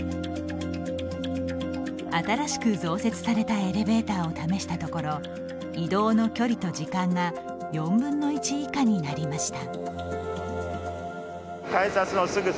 新しく増設されたエレベーターを試したところ移動の距離と時間が４分の１以下になりました。